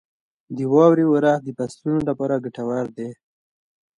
• د واورې اورښت د فصلونو لپاره ګټور دی.